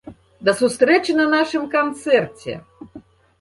Да сустрэчы на нашым канцэрце!